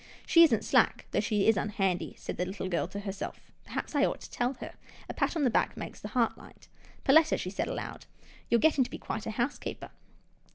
" She isn't slack, though she is unhandy," said the little girl to herself. " Perhaps I ought to tell her. A pat on the back makes the heart light. Perletta," she said aloud, " you're getting to be quite a house keeper."